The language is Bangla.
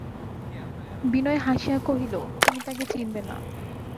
বিনয় হাসিয়া কহিল, তুমি তাঁকে চিনবে না।